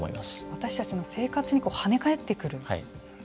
私たちの生活にはね返ってくると。